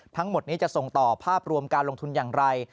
ทั้งหมดนี้จะส่งต่อภาพรวมการลงทุนอย่างไร